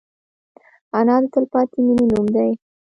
انا د تلپاتې مینې نوم دی